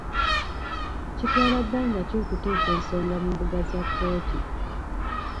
Kitwala bbanga ki okuteeka ensonga mu mbuga za kkooti?